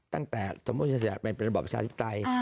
ตั้งแต่ตมุทธศาสตร์เป็นระบบประชาธิปไตร